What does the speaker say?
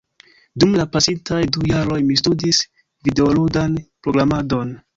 dum la pasintaj du jaroj mi studis videoludan programadon